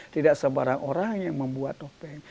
tidak sembarang orang yang membuat topeng